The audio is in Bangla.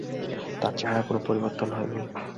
তার চেহারার কোনো পরিবর্তন হয় নি।